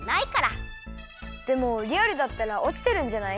でもリアルだったらおちてるんじゃない？